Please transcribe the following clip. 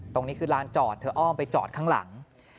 ตรงนี้คือลานจอดเธออ้อมไปจอดข้างหลัง